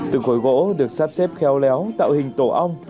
từng khối gỗ được sắp xếp khéo léo tạo hình tổ ong